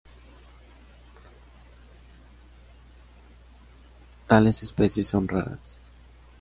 Tales especies son raras.